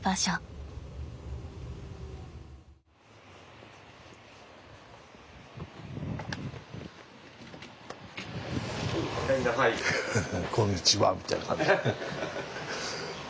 フフフこんにちはみたいな感じ。